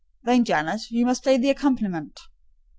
"Then, Jane, you must play the accompaniment."